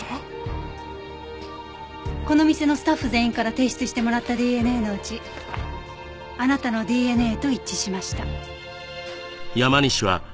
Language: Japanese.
この店のスタッフ全員から提出してもらったＤＮＡのうちあなたのＤＮＡと一致しました。